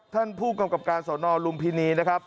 ท่านผู้กำกับการสนรุมพินี